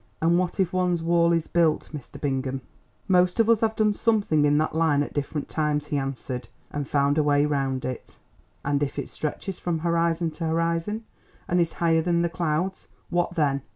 "And what if one's wall is built, Mr. Bingham?" "Most of us have done something in that line at different times," he answered, "and found a way round it." "And if it stretches from horizon to horizon, and is higher than the clouds, what then?"